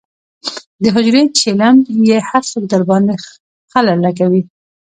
دحجرې چیلم یې هر څوک درباندې خله لکوي.